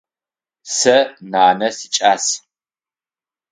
Сэ нанэ сикӏас.